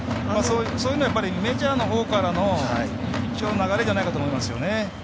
そういうのはメジャーのほうからの一応、流れじゃないかなと思いますね。